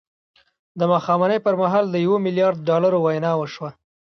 د ماښامنۍ پر مهال د يوه ميليارد ډالرو وينا وشوه.